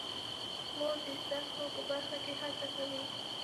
خور د زده کړو په برخه کې هڅه کوي.